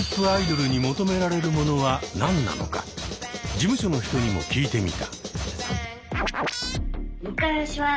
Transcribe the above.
事務所の人にも聞いてみた。